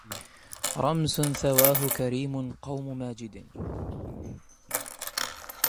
رمس ثواه كريم قوم ماجد